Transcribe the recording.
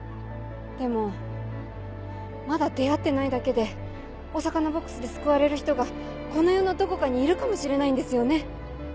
でもまだ出会ってないだけでお魚ボックスで救われる人がこの世のどこかにいるかもしれないんですよね。